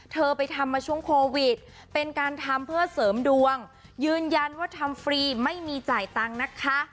เธอไปทำมาช่วงโควิดเป็นการทำเพื่อเสริมดวงยืนยันว่าทำฟรีไม่มีจ่ายตังค์นะคะ